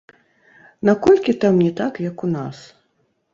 Наколькі там не так, як у нас?